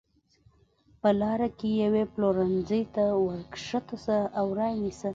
په لاره کې یوې پلورنځۍ ته ورکښته شه او را یې نیسه.